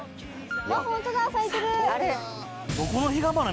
あっホントだ咲いてる！